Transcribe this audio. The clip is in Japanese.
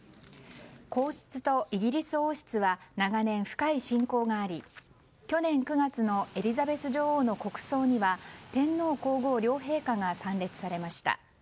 皇室とイギリス王室は長年、深い親交があり去年９月のエリザベス女王の国葬には天皇・皇后両陛下が参列されました。